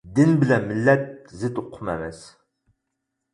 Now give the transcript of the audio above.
دىن بىلەن مىللەت زىت ئوقۇم ئەمەس.